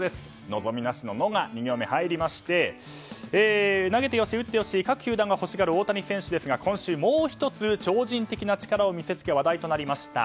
望みなしの「ノ」が２行目に入りまして投げてよし、打ってよし各球団が欲しがる大谷選手ですが今週もう１つ超人的な力を見せつけ話題となりました。